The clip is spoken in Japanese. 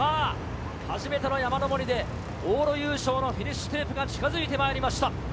初めての山上りで往路優勝のフィニッシュテープが近づいてきました。